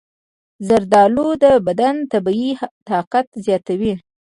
زردآلو د بدن طبیعي طاقت زیاتوي.